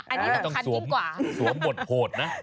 อันนี้ต้องคันกินกว่า